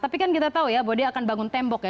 tapi kan kita tahu ya bahwa dia akan bangun tembok ya